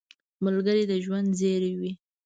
ملګری د ژوند زېری وي